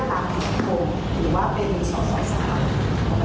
ของประเทศไทยในปัจจุบันซึ่งผมว่าใครก็ตามที่มีหน้าที่การนาน